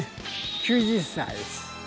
９０歳です